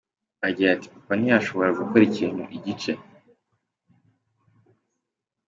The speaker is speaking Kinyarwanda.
Agira ati “Papa ntiyashoboraga gukora ikintu igice.